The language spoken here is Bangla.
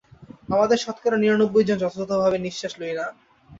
আমাদের শতকরা নিরানব্বই জন যথাযথভাবে নিঃশ্বাস লই না।